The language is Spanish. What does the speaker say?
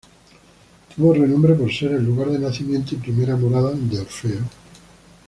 Tuvo renombre por ser el lugar de nacimiento y primera morada de Orfeo.